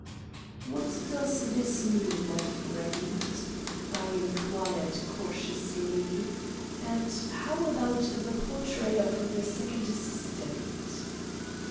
"What does this mean, my friend?" I inquired cautiously. "And how about the portrait of the second assistant?"